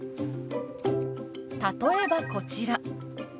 例えばこちら。